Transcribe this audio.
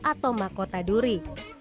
atau makota duri